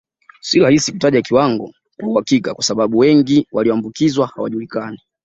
Si rahisi kutaja kiwango kwa uhakika kwa sababu wengi walioambukizwa hawajulikani